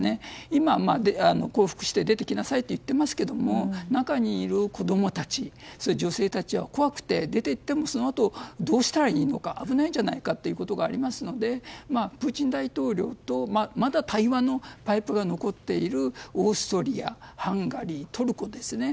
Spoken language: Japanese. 今までも降伏して出てきなさいって言っていますけど中にいる子供たち、女性たちは怖くて出て行ってもそのあとどうしたらいいのか危ないじゃないかということがありますのでプーチン大統領とまだ対話のパイプが残っているオーストリア、ハンガリートルコですね。